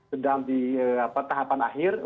sedang di tahapan akhir